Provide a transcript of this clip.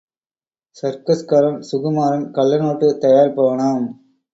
சர்க்கஸ்காரன் சுகுமாரன் கள்ள நோட்டு தயாரிப்பவனாம்..!